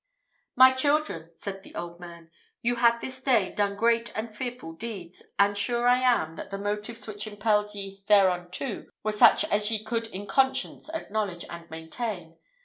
"My children," said the old man, "you have this day done great and fearful deeds; and sure I am, that the motives which impelled ye thereunto were such as ye could in conscience acknowledge and maintain.